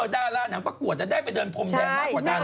ดาราหนังประกวดจะได้ไปเดินพรมแดนมากกว่านั้น